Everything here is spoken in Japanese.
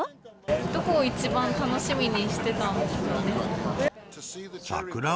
どこを一番楽しみにしてたんですか？